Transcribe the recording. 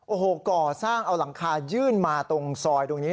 โอ้โหก่อสร้างเอาหลังคายื่นมาตรงซอยตรงนี้